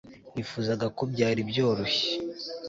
nifuzaga ko byari byoroshye